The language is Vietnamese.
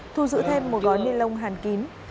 thu giữ thêm một gói nguyên lông hàn kín